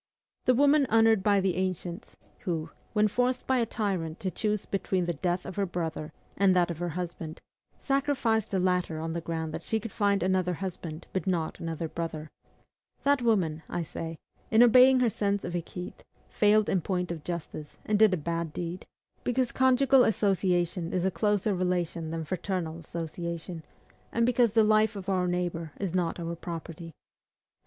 The woman honored by the ancients, who, when forced by a tyrant to choose between the death of her brother and that of her husband, sacrificed the latter on the ground that she could find another husband but not another brother, that woman, I say, in obeying her sense of equite, failed in point of justice, and did a bad deed, because conjugal association is a closer relation than fraternal association, and because the life of our neighbor is not our property.